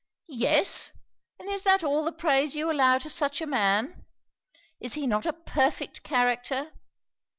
'Yes! and is that all the praise you allow to such a man? Is he not a perfect character?'